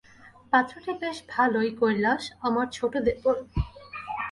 পাত্রটি বেশ ভালোই– কৈলাস, আমার ছোটো দেবর।